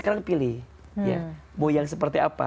mau yang seperti apa